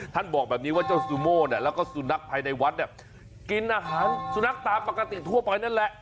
บอกแบบนี้ว่าเจ้าซูโม่เนี่ยแล้วก็สุนัขภายในวัดเนี่ยกินอาหารสุนัขตามปกติทั่วไปนั่นแหละ